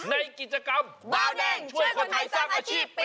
ในกิจกรรมบาวแดงช่วยคนไทยสร้างอาชีพปี